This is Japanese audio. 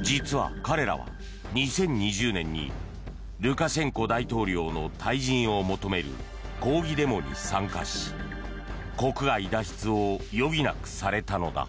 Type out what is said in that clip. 実は彼らは２０２０年にルカシェンコ大統領の退陣を求める抗議デモに参加し、国外脱出を余儀なくされたのだ。